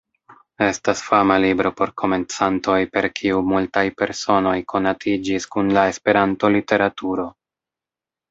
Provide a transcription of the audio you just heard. Estas fama libro por komencantoj per kiu multaj personoj konatiĝis kun la Esperanto-literaturo.